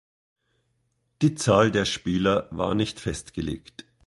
Die Zahl der Spieler war nicht festgelegt.